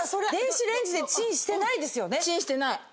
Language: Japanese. チンしてない。